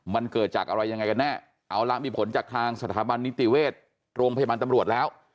มันเกิดจากอะไรยังไงกันแน่เอาละมีผลจากทางสถาบันนิติเวชโรงพยาบาลตำรวจแล้ว